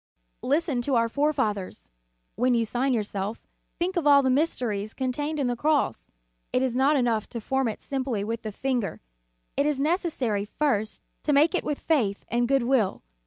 Listen to our forefathers. "When you sign yourself, think of all the mysteries con tained in the Cross. It is not enough to form it simply with the finger; it is n ecessary first to make it with faith and good will.